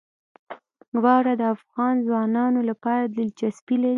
واوره د افغان ځوانانو لپاره دلچسپي لري.